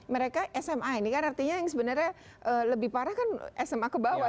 mereka sma ini kan artinya yang sebenarnya lebih parah kan sma ke bawah